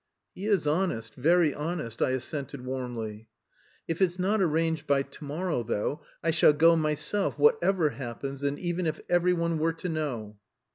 "He is honest, very honest," I assented warmly. "If it's not arranged by to morrow, though, I shall go myself whatever happens, and even if every one were to know."